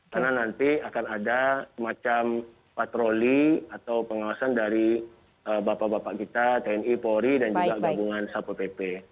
karena nanti akan ada semacam patroli atau pengawasan dari bapak bapak kita tni polri dan juga gabungan sppp